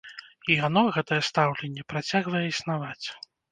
І яно, гэтае стаўленне, працягвае існаваць.